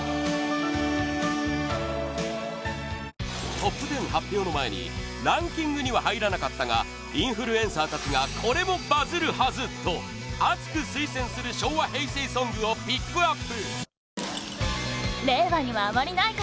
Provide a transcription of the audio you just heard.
トップ１０の発表の前にランキングには入らなかったがインフルエンサーたちがこれもバズるはず！と熱く推薦する昭和平成ソングをピックアップ！